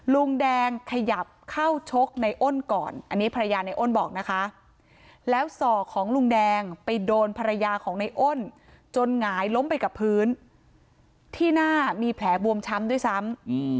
ลุงแดงขยับเข้าชกในอ้นก่อนอันนี้ภรรยาในอ้นบอกนะคะแล้วศอกของลุงแดงไปโดนภรรยาของในอ้นจนหงายล้มไปกับพื้นที่หน้ามีแผลบวมช้ำด้วยซ้ำ